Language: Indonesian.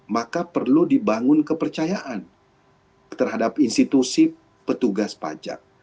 maka perlu dibangun kepercayaan terhadap institusi petugas pajak